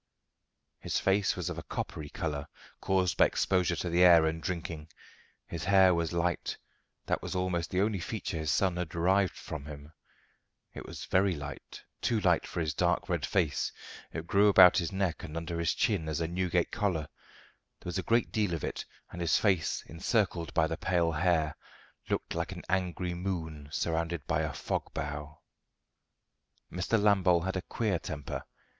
His face was of a coppery colour, caused by exposure to the air and drinking. His hair was light: that was almost the only feature his son had derived from him. It was very light, too light for his dark red face. It grew about his neck and under his chin as a Newgate collar; there was a great deal of it, and his face, encircled by the pale hair, looked like an angry moon surrounded by a fog bow. Mr. Lambole had a queer temper.